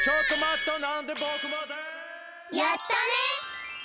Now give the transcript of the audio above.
やったね！